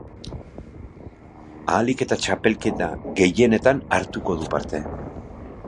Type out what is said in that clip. Ahalik eta txapelketa gehienetan hartuko du parte.